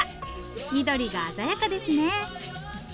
緑が鮮やかですね。